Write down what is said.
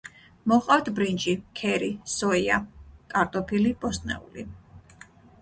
მოჰყავთ ბრინჯი, ქერი, სოია, კარტოფილი, ბოსტნეული.